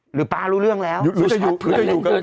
หรือป๊ารู้เรื่องแล้ว